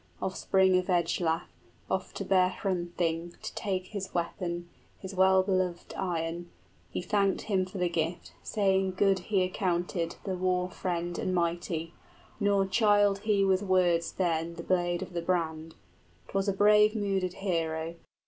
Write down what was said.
} Offspring of Ecglaf, off to bear Hrunting, To take his weapon, his well beloved iron; He him thanked for the gift, saying good he accounted 65 The war friend and mighty, nor chid he with words then The blade of the brand: 'twas a brave mooded hero.